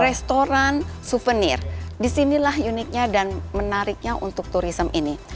restoran souvenir disinilah uniknya dan menariknya untuk turisme ini